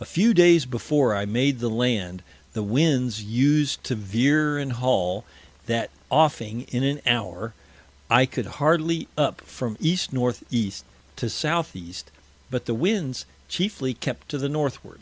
A few Days before I made the Land, the Winds used to vere and haul, that Offing in an Hour I could hardly up from E. N. E. to S. E. but the Winds chiefly kept to the Northward.